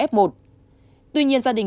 f một tuy nhiên gia đình